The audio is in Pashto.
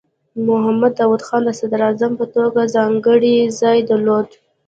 محمد داؤد خان د صدراعظم په توګه ځانګړی ځای درلود.